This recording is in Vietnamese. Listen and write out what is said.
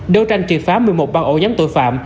đâu tranh triệt phá một mươi một ban ổ giám tội phạm